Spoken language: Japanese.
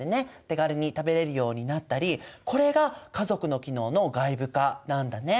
手軽に食べれるようになったりこれが家族の機能の外部化なんだね。